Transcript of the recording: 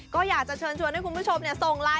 ก็อยากจะเชิญชวนให้คุณผู้ชมส่งไลน์